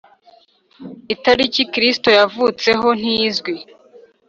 Itariki Kristo yavutseho ntizwi